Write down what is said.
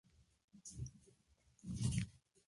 El pelaje del vientre es más fino y grisáceo.